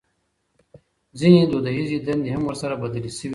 ځينې دوديزې دندې هم ورسره بدلې شوې دي.